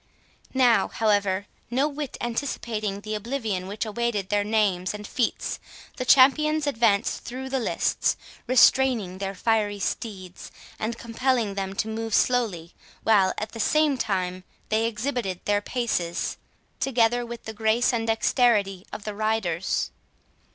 Now, however, no whit anticipating the oblivion which awaited their names and feats, the champions advanced through the lists, restraining their fiery steeds, and compelling them to move slowly, while, at the same time, they exhibited their paces, together with the grace and dexterity of the riders.